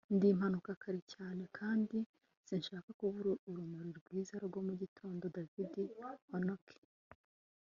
ndi impanuka kare cyane, kandi sinshaka kubura urumuri rwiza rwo mu gitondo. - david hockney